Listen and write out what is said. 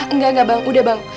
enggak enggak bang udah bang